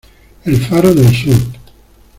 el faro del sur